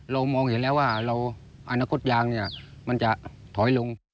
เรามองเห็นแล้วว่าอาณาคตยางนี้มันจะถอยลง